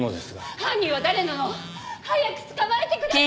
犯人は誰なの！？早く捕まえてください！